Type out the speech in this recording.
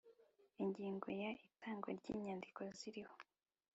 Ingingo ya itangwa ry inyandiko ziriho